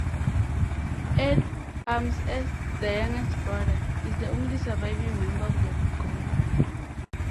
Ed Ames, as the youngest brother, is the only surviving member of the group.